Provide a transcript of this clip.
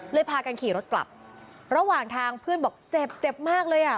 พากันขี่รถกลับระหว่างทางเพื่อนบอกเจ็บเจ็บมากเลยอ่ะ